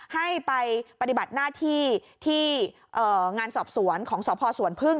ให้ไปปฏิบัติหน้าที่ที่งานสอบสวนของสพสวนพึ่ง